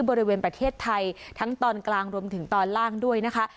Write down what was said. บริเวณประเทศไทยทั้งตอนกลางรวมถึงตอนล่างด้วยนะคะ